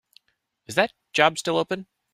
Is that job still open?